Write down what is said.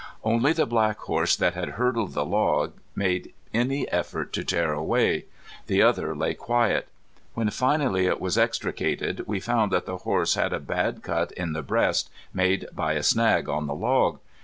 Only the black horse that had hurdled the log made any effort to tear away. The other lay quiet. When finally it was extricated we found that the horse had a bad cut in the breast made by a snag on the log.